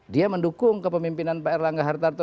dia mendukung kepemimpinan pak erlangga hartarto